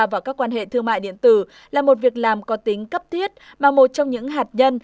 vào các quan hệ thương mại điện tử là một việc làm có tính cấp thiết mà một trong những hạt nhân